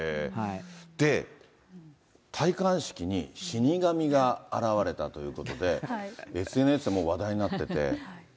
で、戴冠式に死神が現れたということで、ＳＮＳでもう話題になってて。